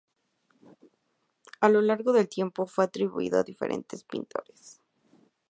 A lo largo del tiempo, fue atribuido a diferentes pintores.